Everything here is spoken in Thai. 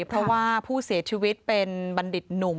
เพราะว่าผู้เสียชีวิตเป็นบัณฑิตหนุ่ม